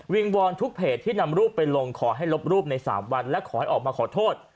วอนทุกเพจที่นำรูปไปลงขอให้ลบรูปใน๓วันและขอให้ออกมาขอโทษ